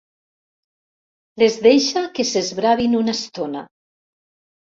Les deixa que s'esbravin una estona.